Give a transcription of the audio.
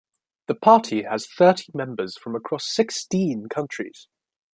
The party has thirty members from across sixteen countries.